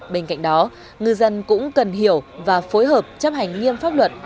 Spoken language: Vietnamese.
bên cạnh đó ngư dân cũng cần hiểu và phối hợp chấp hành nghiêm pháp luật